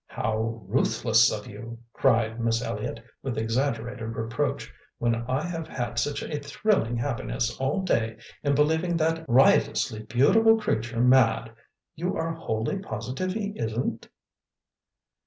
"How RUTHLESS of you," cried Miss Elliott, with exaggerated reproach, "when I have had such a thrilling happiness all day in believing that RIOTOUSLY beautiful creature mad! You are wholly positive he isn't?"